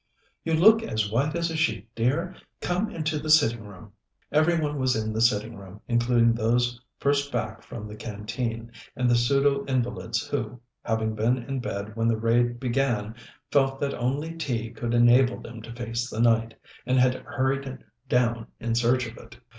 "You look as white as a sheet, dear! Come into the sitting room." Every one was in the sitting room, including those first back from the Canteen, and the pseudo invalids who, having been in bed when the raid began, felt that only tea could enable them to face the night, and had hurried down in search of it.